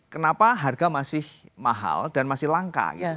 kenapa harga masih mahal dan masih langka